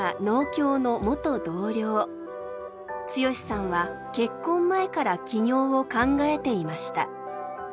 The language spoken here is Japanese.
毅さんは結婚前から起業を考えていました。